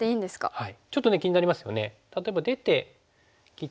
はい。